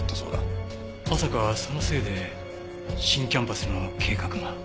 まさかそのせいで新キャンパスの計画が。